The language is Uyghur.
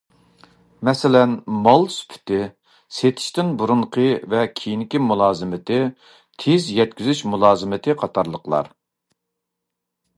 مەسىلەن مال سۈپىتى، سېتىشتىن بۇرۇنقى ۋە كېيىنكى مۇلازىمىتى، تېز يەتكۈزۈش مۇلازىمىتى قاتارلىقلار.